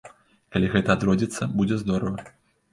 Калі гэта адродзіцца, будзе здорава.